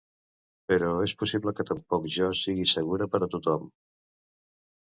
Però és possible que tampoc jo sigui segura per a tothom.